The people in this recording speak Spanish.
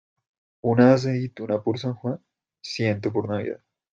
Una aceituna por San Juan, ciento por Navidad.